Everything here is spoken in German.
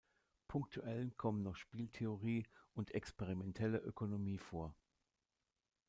Punktuell kommen noch Spieltheorie und experimentelle Ökonomie vor.